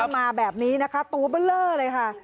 มาแบบนี้นะคะตัวเบลอเลยค่ะ